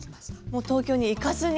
もう東京に行かずに。